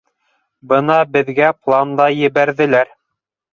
Бына беҙгә план да ебәрҙеләр.